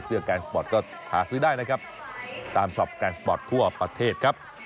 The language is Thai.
แกนสปอร์ตก็หาซื้อได้นะครับตามช็อปแกนสปอร์ตทั่วประเทศครับ